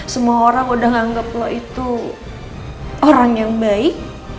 semua orang udah menganggap lo itu orang yang baik